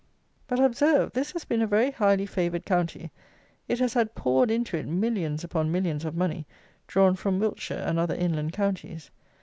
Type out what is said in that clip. But, observe, this has been a very highly favoured county: it has had poured into it millions upon millions of money, drawn from Wiltshire, and other inland counties.